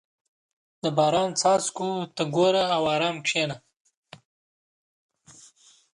• د باران څاڅکو ته ګوره او ارام کښېنه.